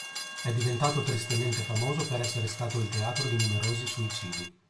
È diventato tristemente famoso per essere stato il teatro di numerosi suicidi.